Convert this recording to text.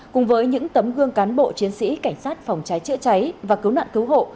cùng với những tấm gương cán bộ chiến sĩ cảnh sát phòng cháy chữa cháy và cứu nạn cứu hộ